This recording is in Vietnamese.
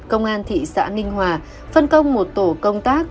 công an thị xã ninh hòa phân công một tổ công tác